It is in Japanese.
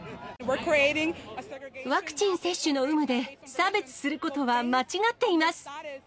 ワクチン接種の有無で差別することは間違っています。